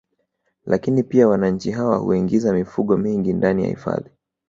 Lakini pia wananchi hawa huingiza mifugo mingi ndani ya hifadhi